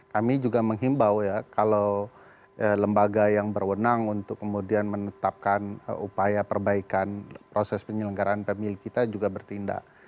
kami juga menghimbau ya kalau lembaga yang berwenang untuk kemudian menetapkan upaya perbaikan proses penyelenggaraan pemilu kita juga bertindak